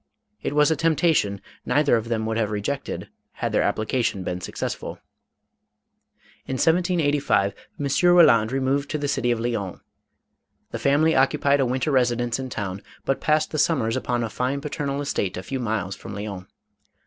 It was a temptation, neither of them would have rejected, had their application been successful. In 1785 M. Roland removed to the city of Lyons. The family occupied a winter residence in town, but passed the summers upon a fine paternal estate a few miles from Lyons.